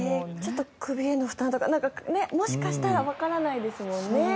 首への負担とかもしかしたらわからないですもんね。